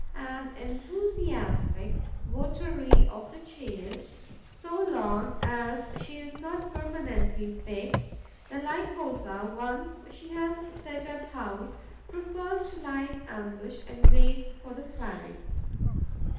An enthusiastic votary of the chase, so long as she is not permanently fixed, the Lycosa, once she has set up house, prefers to lie in ambush and wait for the quarry.